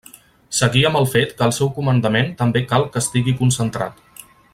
Seguí amb el fet que el seu comandament també cal que estigui concentrat.